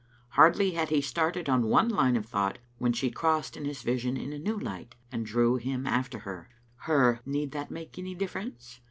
Hardly had he started on one line of thought when she crossed his vision in a new light, and drew him after her. Her" Need that make any difference?"